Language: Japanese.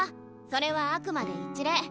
それはあくまで一例。